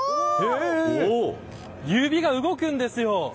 指が動くんですよ。